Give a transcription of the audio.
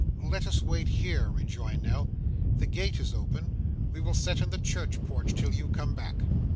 'Let us wait here,' rejoined Nell. 'The gate is open. We will sit in the church porch till you come back.